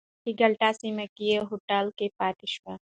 په تاریخی ګلاټا سیمه کې یې هوټل کې پاتې شو.